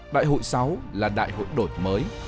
đại hội sáu là đại hội đổi mới